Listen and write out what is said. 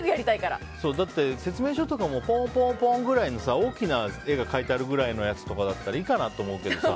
だって説明書とかもポンポンポンくらいの大きな絵が描いてあるくらいのやつだといいかなって思うけどさ